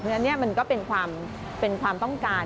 เพราะฉะนั้นมันก็เป็นความต้องการ